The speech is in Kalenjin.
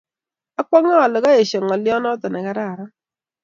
akwange ale koeshoi ngolyo notok ne karan